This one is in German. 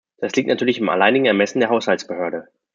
Das liegt natürlich im alleinigen Ermessen der Haushaltsbehörde.